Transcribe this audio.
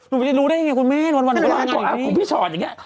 นุยัยรู้ได้ยังไงคุณมีดวันอยู่นี่